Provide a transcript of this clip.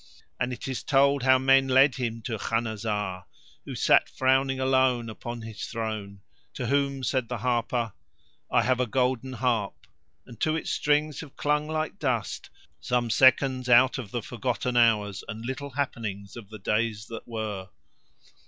And it is told how men led him to Khanazar, who sat frowning alone upon his throne, to whom said the harper: "I have a golden harp; and to its strings have clung like dust some seconds out of the forgotten hours and little happenings of the days that were."